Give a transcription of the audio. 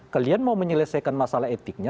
kalian mau menyelesaikan masalah etiknya